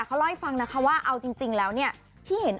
เขาฝ่ามือคุณผู้ชม